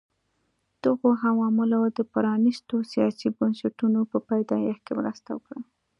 دغو عواملو د پرانیستو سیاسي بنسټونو په پیدایښت کې مرسته وکړه.